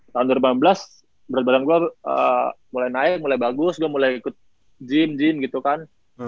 tahun dua ribu delapan belas berat badan gue mulai naik mulai bagus gue mulai ikut gym gym gitu kan